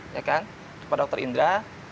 ya kan kepada dr indra